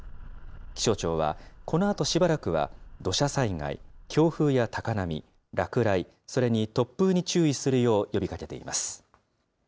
気象庁はこのあとしばらくは土砂災害、強風や高波、落雷、それに突風に注意するよう呼びかけています。